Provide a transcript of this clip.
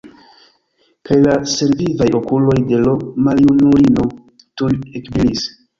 Kaj la senvivaj okuloj de l' maljunulino tuj ekbrilis.